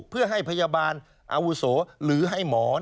เพื่อให้พยาบาลอาวุโสหรือให้หมอ